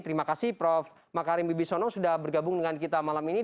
terima kasih prof makarim bibisono sudah bergabung dengan kita malam ini